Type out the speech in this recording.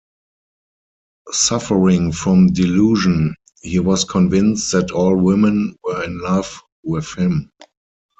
Suffering from delusion, he was convinced that all women were in love with him.